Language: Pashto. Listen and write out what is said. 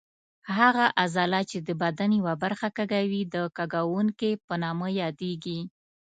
هغه عضله چې د بدن یوه برخه کږوي د کږوونکې په نامه یادېږي.